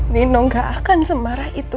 nino gak akan semarah itu